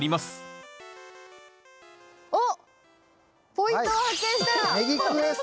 ポイントを発見した。